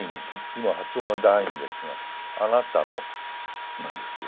今発音は「ダイン」ですが「あなたの」なんですよ。